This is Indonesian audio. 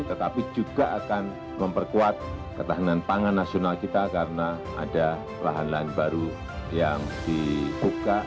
tetapi juga akan memperkuat ketahanan pangan nasional kita karena ada lahan lahan baru yang dibuka